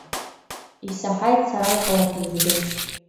Исаҳаит сара иҟалақәаз зегьы…